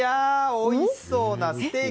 おいしそうなステーキ！